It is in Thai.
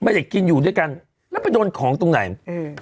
ไม่ได้กินอยู่ด้วยกันแล้วไปโดนของตรงไหนอืม